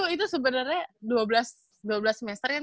itu sebenarnya dua belas semester ya